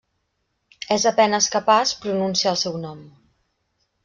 És a penes capaç pronunciar el seu nom.